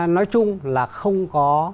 nói chung là không có